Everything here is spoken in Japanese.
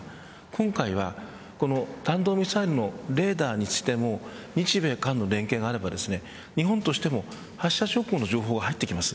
今回は弾道ミサイルのレーダーにしても日米韓の連携があれば日本としても発射直後の情報が入ってきます。